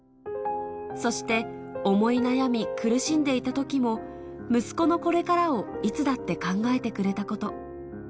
そして、思い悩み苦しんでいたときも、息子のこれからをいつだって考えてくれたこと。